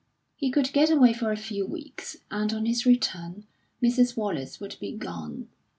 He could get away for a few weeks, and on his return Mrs. Wallace would be gone.